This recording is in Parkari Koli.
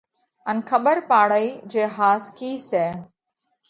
ان کٻر پاڙئي جي ۿاس ڪِي سئہ؟